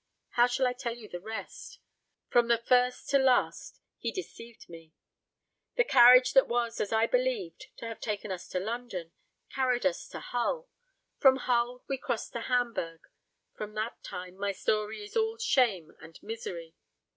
How shall I tell you the rest? From the first to last he deceived me. The carriage that was, as I believed, to have taken us to London, carried us to Hull. From Hull we crossed to Hamburg. From that time my story is all shame and misery.